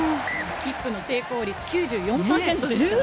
キックの成功率９４％ですからね。